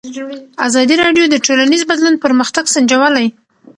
ازادي راډیو د ټولنیز بدلون پرمختګ سنجولی.